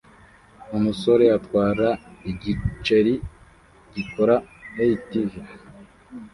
Umusore atwara igiceri gikora ATV